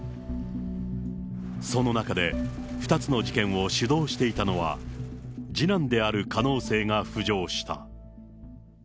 その中で、２つの事件を主導していたのは、次男である可能性が浮上した。